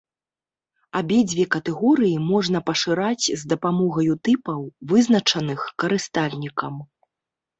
Абедзве катэгорыі можна пашыраць з дапамогаю тыпаў, вызначаных карыстальнікам.